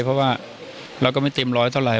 เพราะว่าเราก็ไม่เต็มร้อยเท่าไห